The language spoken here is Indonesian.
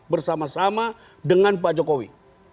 bersama sama dengan pak jokowi